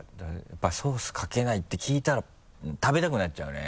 「ソースかけない」って聞いたら食べたくなっちゃうね。